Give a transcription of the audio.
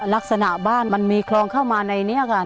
ลักษณะบ้านมันมีคลองเข้ามาในนี้ค่ะ